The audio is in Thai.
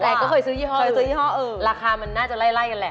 แต่ก็เคยซื้อยี่ห้ออื่นราคามันน่าจะไล่กันแหละ